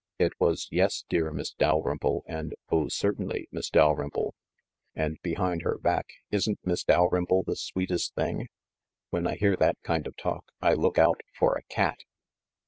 It was 'Yes, dear Miss Dalrymple,' and 'Oh, certainly, Miss Dalrymple/ and, behind her back, 'Isn't Miss Dalrymple the sweetest thing!' When I hear that kind of talk, I look out for a cat."